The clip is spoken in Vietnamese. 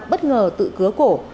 bất ngờ tự cứa cổ